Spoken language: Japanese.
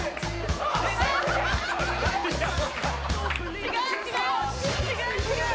違う違う！